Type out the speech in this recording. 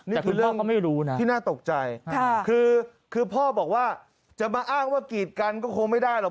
นี่คือเรื่องก็ไม่รู้นะที่น่าตกใจคือพ่อบอกว่าจะมาอ้างว่ากีดกันก็คงไม่ได้หรอก